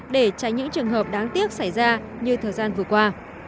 để tránh những trường hợp đáng tiếc xảy ra như thời gian vừa qua